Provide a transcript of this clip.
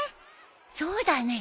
そうだね。